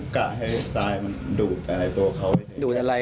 กะให้ทรายมันดูดอะไรตัวเขาดูดอะไร